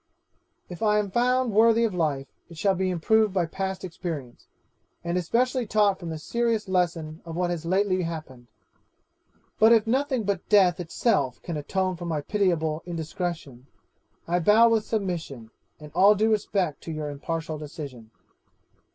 'If I am found worthy of life, it shall be improved by past experience, and especially taught from the serious lesson of what has lately happened; but if nothing but death itself can atone for my pitiable indiscretion, I bow with submission and all due respect to your impartial decision.